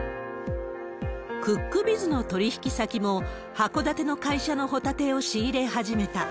クックビズの取引先も、い函館の会社のホタテを仕入れ始めた。